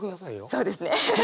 そうですね。